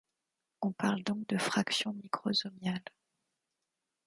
On parle donc de fraction microsomiale.